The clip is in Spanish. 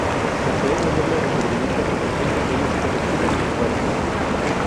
Posee un doble recubrimiento, con pequeños vellos que recubren el cuerpo.